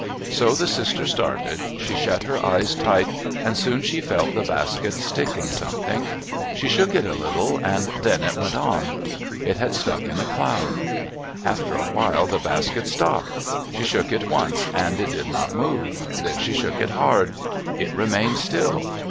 So the sister started. She shut her eyes tight, and soon she felt the basket stick in something. She shook it a little and then it went on. It had stuck in the cloud. After a while the basket stopped. She shook it once, and it did not move. Then she shook it hard. It remained still.